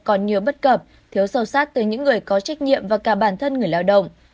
còn nhiều bất cập thiếu sâu sát từ những người có trách nhiệm và cả bản thân người lao động